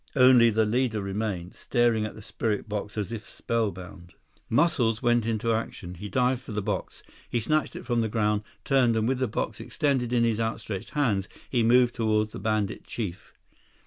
Only the leader remained, staring at the spirit box as if spellbound. 126 Muscles went into action. He dived for the box. He snatched it from the ground, turned, and with the box extended in his outstretched hands, he moved toward the bandit chief.